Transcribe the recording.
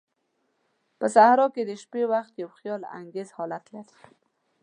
په صحراء کې د شپې وخت یو خیال انگیز حالت لري.